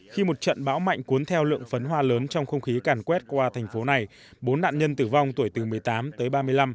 khi một trận bão mạnh cuốn theo lượng phấn hoa lớn trong không khí càn quét qua thành phố này bốn nạn nhân tử vong tuổi từ một mươi tám tới ba mươi năm